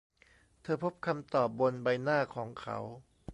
เธอพบคำตอบบนใบหน้าของเขา